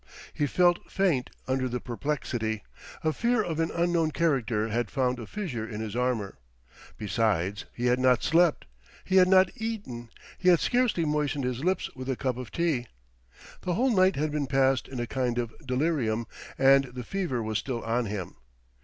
He felt faint under the perplexity; a fear of an unknown character had found a fissure in his armour; besides, he had not slept, he had not eaten, he had scarcely moistened his lips with a cup of tea. The whole night had been passed in a kind of delirium, and the fever was still on him.